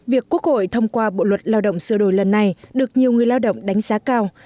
việc quốc hội thông qua bộ luật lao động sửa đổi lần này được nhiều người lao động đánh giá cao